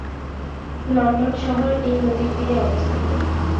London শহর এই নদীর তীরে অবস্থিত।